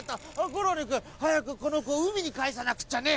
ゴロリくんはやくこのこをうみにかえさなくっちゃね。